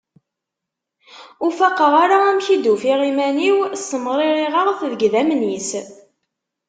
Ur faqeɣ ara amek i d-ufiɣ iman-iw ssemririɣeɣ-t deg yidammen-is.